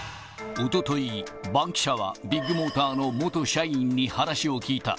おととい、バンキシャはビッグモーターの元社員に話を聞いた。